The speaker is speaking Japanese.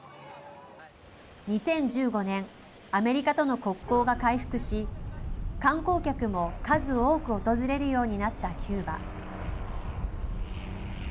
２０１５年、アメリカとの国交が回復し、観光客も数多く訪れるようになったキューバ。